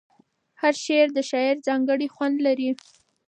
هر شعر د شاعر ځانګړی خوند لري.